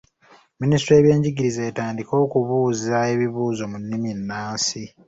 Minisitule y'ebyenjigiriza etandike okubuuza ebibuuzo mu nnimi ennansi.